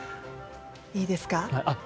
いいですか？